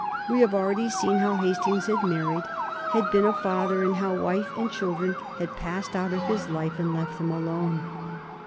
We have already seen how Hastings had married, had been a father, and how wife and children had passed out of his life and left him alone.